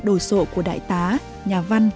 đồi sộ của đại tá nhà văn